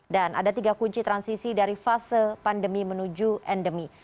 dan ada tiga kunci transisi dari fase pandemi menuju endemi